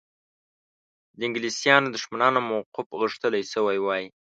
د انګلیسیانو دښمنانو موقف غښتلی شوی وای.